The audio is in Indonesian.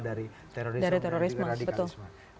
dari terorisme dan radikalisme